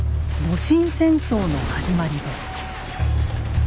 戊辰戦争の始まりです。